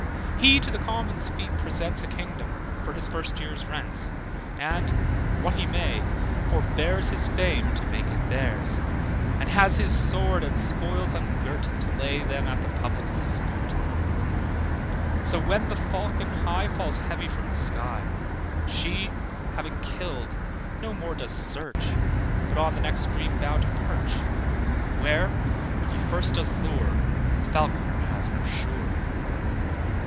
He to the Commons feet presents A kingdom, for his first year's rents: And, what he may, forbears His fame, to make it theirs: And has his sword and spoils ungirt, To lay them at the public's skirt. So when the falcon high Falls heavy from the sky, She, having killed, no more does search But on the next green bough to perch, Where, when he first does lure, The falc'ner has her sure.